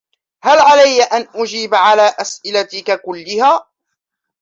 هل علي أن أجيب علی أسئلتك كلها؟